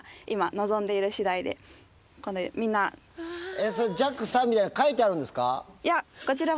えっそれＪＡＸＡみたいなの書いてあるんですか？